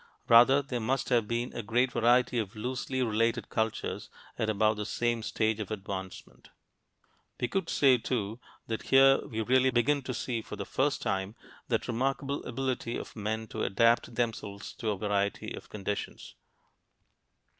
Rather there must have been a great variety of loosely related cultures at about the same stage of advancement. We could say, too, that here we really begin to see, for the first time, that remarkable ability of men to adapt themselves to a variety of conditions.